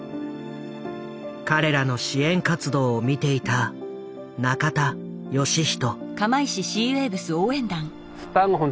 彼らの支援活動を見ていた中田義仁。